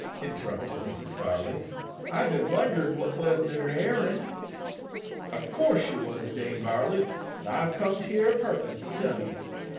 interrupted Mrs. Varley; "I've bin wonderin' what was their errand." "Of coorse ye wos, Dame Varley, and I've comed here a purpis to tell ye.